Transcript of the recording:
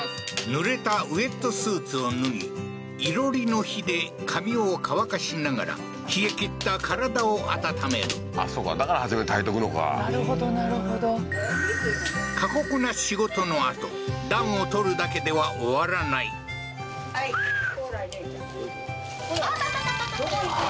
ぬれたウエットスーツを脱ぎ囲炉裏の火で髪を乾かしながら冷えきった体を温めるあっそうかだから初め焚いとくのかなるほどなるほど過酷な仕事の後暖を取るだけでは終わらないはいあ